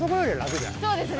そうですね